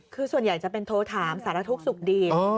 คือส่วนใหญ่จะเป็นโทรถามสารทุกข์สุขดี